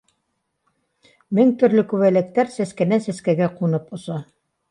Мең төрлө күбәләктәр сәскәнән сәскәгә ҡунып оса